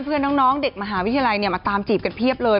เพื่อนน้องเด็กมหาวิทยาลัยมาตามจีบกันเพียบเลย